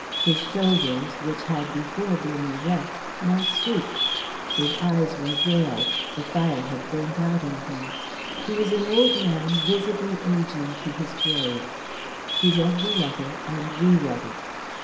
His shoulders, which had before been erect, now stooped, his eyes were veiled, the fire had burnt out in him; he was an old man visibly ageing to his grave. He read the letter and re read it.